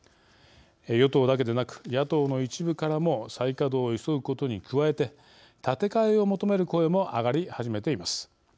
与党だけでなく野党の一部からも再稼働を急ぐことに加えて建て替えを求める声も上がり始めています。